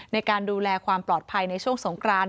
ในการดูแลความปลอดภัยในช่วงสงคราน